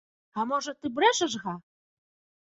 А можа, ты брэшаш, га?